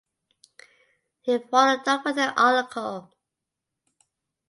He followed up with an article.